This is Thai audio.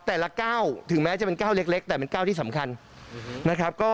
แต่ละ๙ถึงแม้จะเป็น๙เล็กแต่เป็น๙ที่สำคัญนะครับ